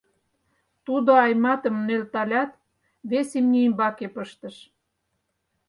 Тудо Айматым нӧлталят, вес имне ӱмбаке пыштыш.